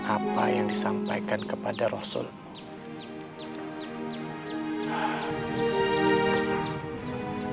apa yang disampaikan kepada rasulullah